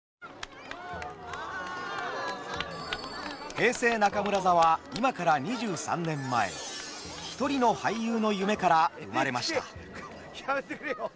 平成中村座は今から２３年前１人の俳優の夢から生まれました。